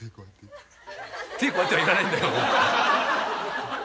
「手こうやって」はいらないんだよ。